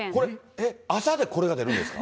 え、朝でこれが出るんですか？